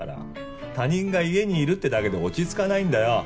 他人が家にいるってだけで落ち着かないんだよ。